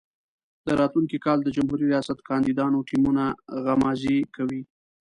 د راتلونکي کال د جمهوري ریاست کاندیدانو ټیمونه غمازي کوي.